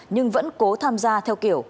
nhưng vẫn cố tham gia theo kiểu